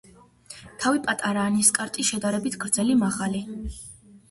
თავი პატარაა, ნისკარტი შედარებით გრძელი, მაღალი.